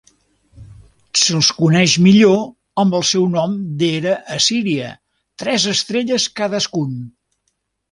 Se'ls coneix millor amb el seu nom d'era assíria "Tres estrelles cadascun".